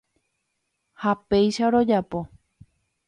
Ha péicha rojapo.